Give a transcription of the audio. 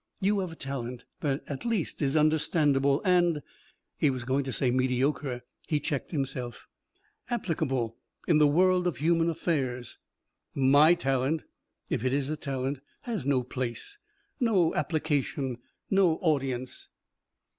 You have a talent that is at least understandable and " he was going to say mediocre. He checked himself "applicable in the world of human affairs. My talent if it is a talent has no place, no application, no audience."